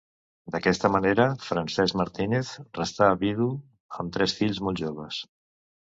D'aquesta manera, Francesc Martínez restà vidu amb tres fills molt joves.